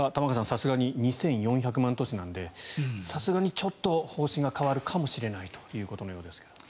さすがに２４００万都市なのでさすがにちょっと方針が変わるかもしれないということのようですが。